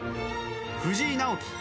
藤井直樹